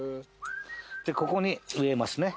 ここに植えますね。